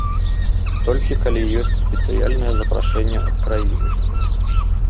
Толькі калі ёсць спецыяльнае запрашэнне ад краіны.